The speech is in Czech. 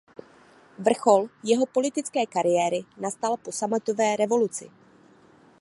Vrchol jeho politické kariéry nastal po sametové revoluci.